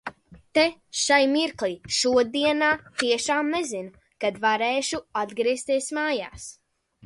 Te, šai mirklī, šodienā, tiešām nezinu, kad varēšu atgriezties mājās.